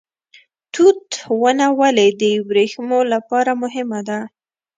توت ونه ولې د وریښمو لپاره مهمه ده؟